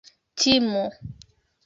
timu